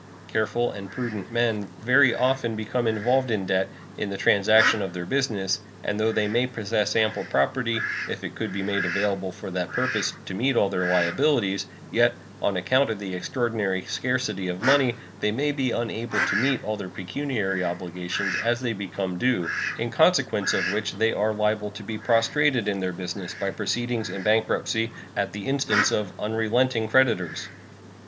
Careful and prudent men very often become involved in debt in the transaction of their business, and though they may possess ample property, if it could be made available for that purpose, to meet all their liabilities, yet, on account of the extraordinary scarcity of money, they may be unable to meet all their pecuniary obligations as they become due, in consequence of which they are liable to be prostrated in their business by proceedings in bankruptcy at the instance of unrelenting creditors.